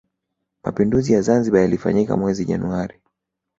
mapinduzi ya zanzibar yalifanyika mwezi januari